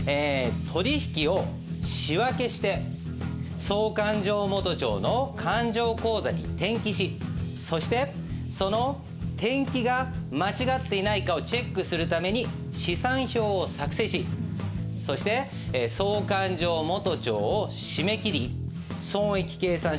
取引を仕訳して総勘定元帳の勘定口座に転記しそしてその転記が間違っていないかをチェックするために試算表を作成しそして総勘定元帳を締め切り損益計算書貸借対照表の作成